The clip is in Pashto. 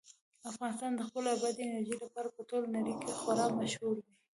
افغانستان د خپلې بادي انرژي لپاره په ټوله نړۍ کې خورا مشهور دی.